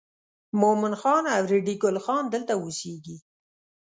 مومن خان او ریډي ګل خان دلته اوسېږي.